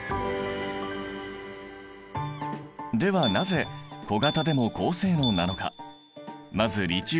ではなぜ小型でも高性能なのか？